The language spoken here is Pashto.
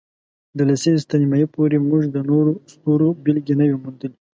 د لسیزې تر نیمایي پورې، موږ د نورو ستورو بېلګې نه وې موندلې.